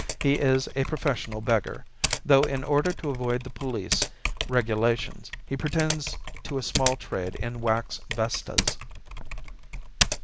He is a professional beggar, though in order to avoid the police regulations he pretends to a small trade in wax vestas.